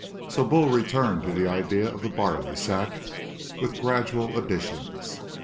So Bull returned to the idea of the barley sack, with gradual additions.